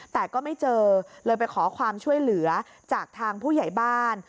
แต่ก็ไม่เจอเลยไปขอความช่วยเหลือจากทางผู้ใหญ่บ้าน